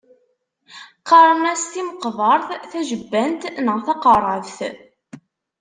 Qqaren-as timeqbert, tajebbant neɣ taqerrabt.